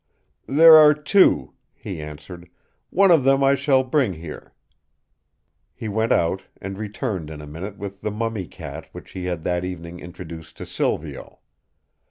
"There are two," he answered. "One of them I shall bring here." He went out, and returned in a minute with the mummy cat which he had that evening introduced to Silvio.